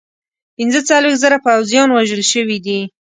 پنځه څلوېښت زره پوځیان وژل شوي دي.